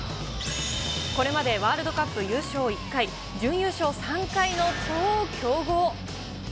これまでワールドカップ優勝１回、準優勝３回の超強豪。